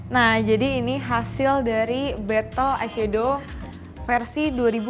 nah jadi ini hasil dari battle eshadow versi dua ribu dua puluh